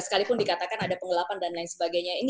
sekalipun dikatakan ada pengelapan dan lain sebagainya